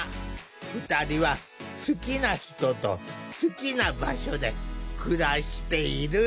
２人は好きな人と好きな場所で暮らしている。